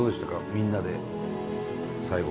みんなで最後。